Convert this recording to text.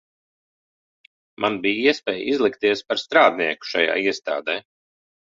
Man bija iespēja izlikties par strādnieku šajā iestādē.